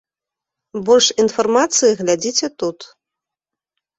Больш інфармацыі глядзіце тут.